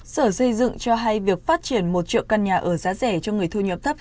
sở xây dựng cho hay việc phát triển một triệu căn nhà ở giá rẻ cho người thu nhập thấp